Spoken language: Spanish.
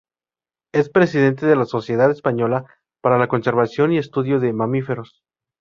Es presidente de la Sociedad Española para la Conservación y Estudio de Mamíferos.